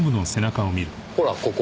ほらここ！